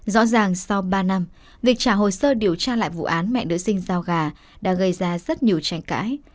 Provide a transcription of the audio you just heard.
rõ ràng sau ba năm việc trả hồ sơ điều tra lại vụ án mẹ nữ sinh giao gà đã gây ra rất nhiều tranh cãi